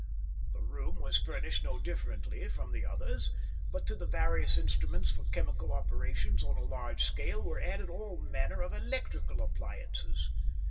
The room was furnished no differently from the others, but to the various instruments for chemical operations on a large scale were added all manner of electrical appliances.